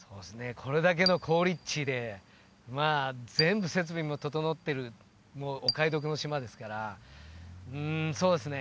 これだけの好立地でまあ全部設備も整ってるもうお買い得の島ですからうんそうですね